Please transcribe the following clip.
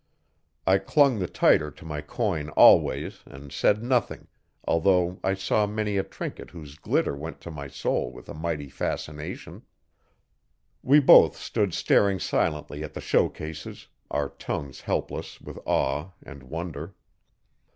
I clung the tighter to my coin always, and said nothing, although I saw many a trinket whose glitter went to my soul with a mighty fascination. We both stood staring silently at the show cases, our tongues helpless with awe and wonder.